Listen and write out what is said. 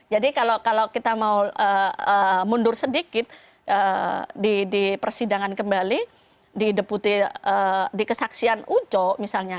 jadi kalau kita mau mundur sedikit di persidangan kembali di kesaksian uco misalnya